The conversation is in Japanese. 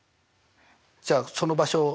じゃあその場所を。